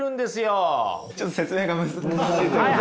ちょっと説明が難しい。